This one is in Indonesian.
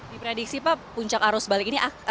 di prediksi pak puncak arus balik ini